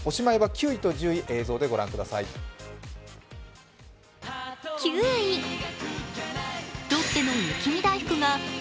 おしまいは９位と１０位、映像でご覧ください。